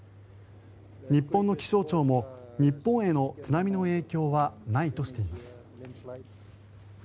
日本の気象庁も日本への津波の影響はないとしています。